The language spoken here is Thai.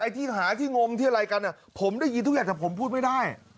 ที่หาที่งมที่อะไรกันผมได้ยินทุกอย่างแต่ผมพูดไม่ได้